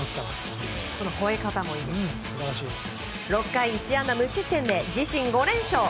６回１安打無失点で自身５連勝。